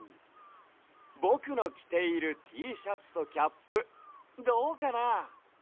ぼくのきているＴシャツとキャップどうかな？